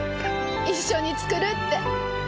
一緒に作るって。